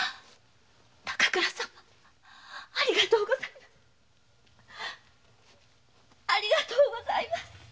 高倉様ありがとうございます。